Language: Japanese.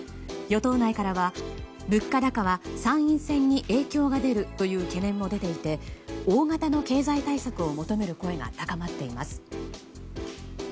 与党内からは物価高は参院選に影響が出るという懸念も出ていて大型の経済対策を求める声が高まっています。